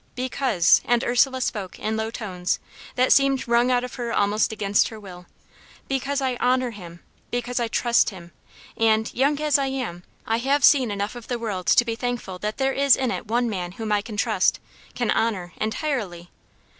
"Because" and Ursula spoke in low tones, that seemed wrung out of her almost against her will "because I honour him, because I trust him; and, young as I am, I have seen enough of the world to be thankful that there is in it one man whom I can trust, can honour, entirely.